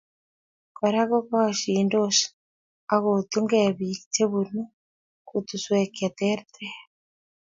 Kora, kokasindosh akotunkei bik che bunu kutuswek che ter ter